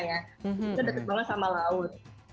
itu dekat banget sama laut